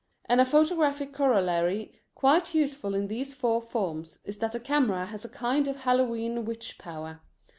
And a photographic corollary quite useful in these four forms is that the camera has a kind of Hallowe'en witch power.